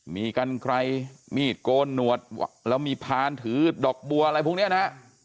มีกันไกรมีดโกนหนวดแล้วมีพานถือดอกบัวอะไรพวกนี้นะฮะ